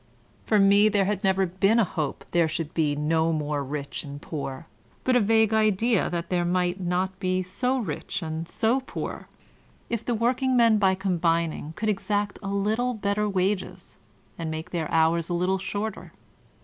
For me there had never been a hope there should be no more rich and poor; but a vague idea that there might not be so rich and so poor, if the workingmen by combining could exact a little better wages, and make their hours a little shorter.